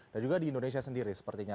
dan juga di indonesia sendiri sepertinya